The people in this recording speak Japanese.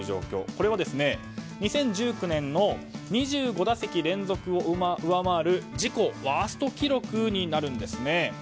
これは２０１９年の２５打席連続を上回る自己ワースト記録になるんですね。